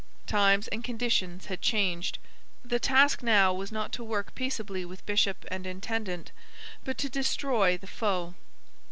Times and conditions had changed. The task now was not to work peaceably with bishop and intendant, but to destroy the foe.